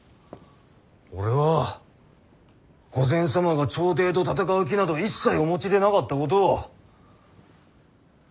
俺は御前様が朝廷と戦う気など一切お持ちでなかったことをよく知っておる。